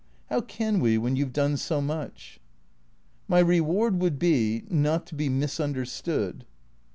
How can we, when you 've done so much ?" "My reward would be — not to be misunderstood."